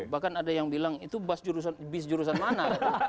bahkan ada yang bilang itu bis jurusan mana